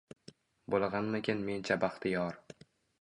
Bo’lganmikin mencha baxtiyor?